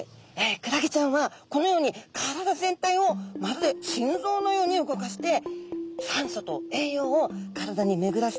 クラゲちゃんはこのように体全体をまるで心臓のように動かして酸素と栄養を体に巡らせてるそうなんですよ。